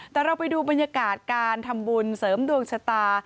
แต่เราไปดูบรรยากาศการทำบุญเสริมดวงชะตา